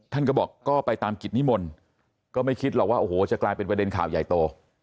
ท่านก็บอกก็ไปตามกิจนิมนต์ก็ไม่คิดหรอกว่าโอ้โหจะกลายเป็นประเด็นข่าวใหญ่โต